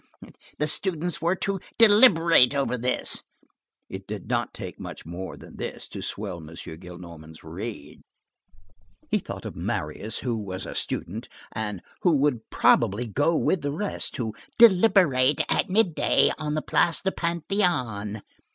The students were to "deliberate" over this. It did not take much more than this to swell M. Gillenormand's rage. He thought of Marius, who was a student, and who would probably go with the rest, to "deliberate, at midday, on the Place du Panthéon."